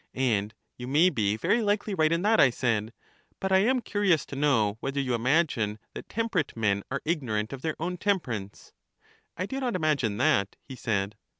And you may be very likely right in that, I said; but I am curious to know whether you imagine that temperate men are ignorant of their own temper ance? I do not imagine that, he said.